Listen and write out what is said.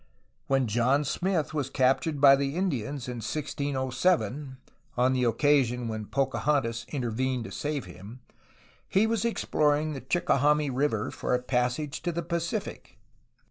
When John Smith was captured by the Indians in 1607 (on the occasion when Pocahontas intervened to save him) he was exploring the Chickahominy River for a passage to the Pacific.